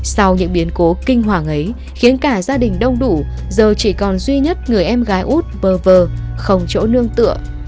sau những biến cố kinh hoàng ấy khiến cả gia đình đông đủ giờ chỉ còn duy nhất người em gái út vờ không chỗ nương tựa